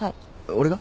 俺が？